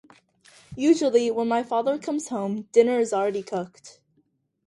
Usually, when my father comes home, dinner is already cooked.